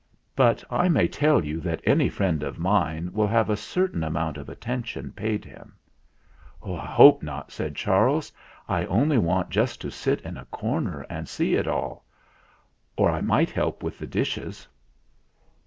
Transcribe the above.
But I may tell you that any friend of mine will have a certain amount of attention paid him." "I hope not," said Charles. "I only want just to sit in a corner and see it all. Or I might help with the dishes."